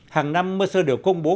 hàng năm mercer đều công bố